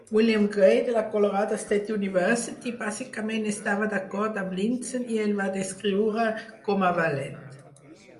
William Gray, de la Colorado State University, bàsicament estava d'acord amb Lindzen, i el va descriure com a "valent".